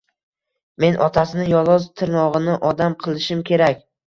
— Men otasini yolg‘iz tirnog‘ini odam qilishim kerak...